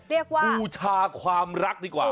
เรียกว่าอูชาความรักดีกว่า